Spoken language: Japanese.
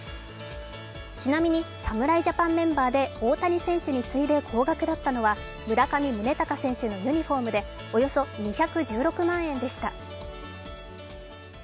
ちなみに侍ジャパンメンバーで大谷選手に次いで高額だったのは村上宗隆選手のユニフォームでおよそ２１６万円でした。